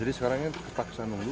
jadi sekarangnya tak bisa nunggu